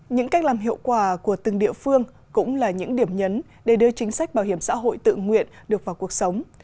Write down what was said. những cách làm hiệu quả của từng địa phương cũng là những điểm nhấn để đưa chính sách bảo hiểm xã hội tự nguyện được vào cuộc sống